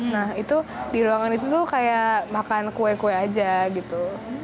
nah itu di ruangan itu tuh kayak makan kue kue aja gitu